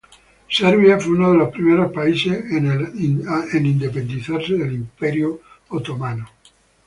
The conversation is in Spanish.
Serbia fue uno de los primeros países en independizarse del Imperio otomano.